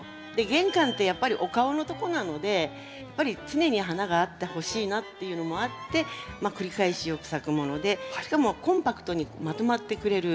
玄関ってやっぱりお顔のとこなのでやっぱり常に花があってほしいなっていうのもあって繰り返しよく咲くものでしかもコンパクトにまとまってくれる。